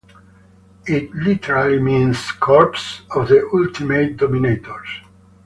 It literally means "corpses of the ultimate dominators".